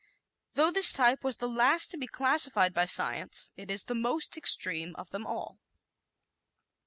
Though this type was the last to be classified by science it is the most extreme of them all.